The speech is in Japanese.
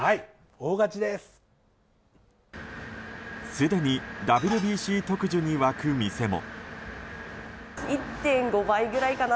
すでにＷＢＣ特需に沸く店も。